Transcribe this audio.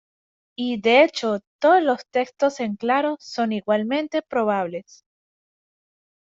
Y de hecho todos los textos en claro son igualmente probables.